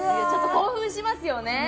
興奮しますよねへえ